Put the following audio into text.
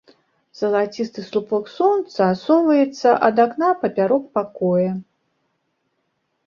Залацісты слупок сонца соваецца ад акна папярок пакоя.